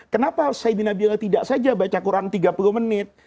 kenapa sayyidina bila tidak saja baca kurang tiga puluh menit